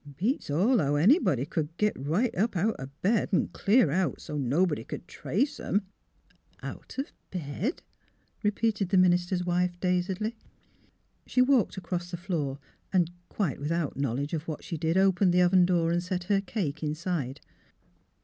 Beats all, how anybody c'd git right up out o' bed an' clear out, so 't nobody c'd trace 'em." " Out of bed? " repeated the minister's wife, dazedly. SYLVIA'S CHILD 273 She walked across tlie floor and quite without knowledge of what she did opened the oven door and set her cake inside.